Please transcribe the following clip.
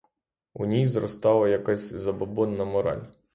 У ній зростала якась забобонна мораль.